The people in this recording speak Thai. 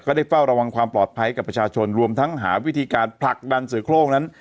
ได้เฝ้าระวังความปลอดภัยกับประชาชนรวมทั้งหาวิธีการผลักดันเสือโครงนั้น